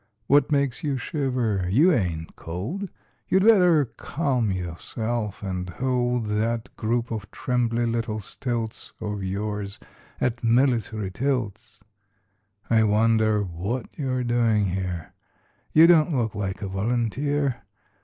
What makes you shiver? You ain't cold! You'd better calm yourself and hold That group of trembly little stilts Of yours at military tilts! I wonder what you're doin' here? You don't look like a volunteer!